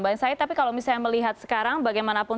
bang said tapi kalau misalnya melihat sekarang bagaimanapun